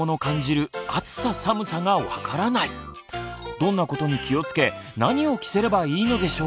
どんなことに気をつけ何を着せればいいのでしょうか？